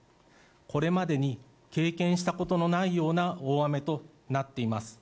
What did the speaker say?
これまでに経験したことのないような大雨となっています。